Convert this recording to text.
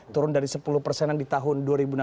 turun dari sepuluh persenan di tahun dua ribu enam belas